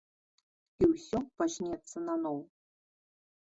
І ўсё пачнецца наноў.